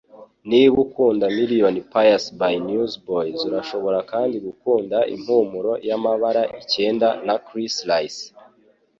Niba ukunda Million Piece by Newsboys, urashobora kandi gukunda Impumuro y'amabara icyenda na Chris Rice.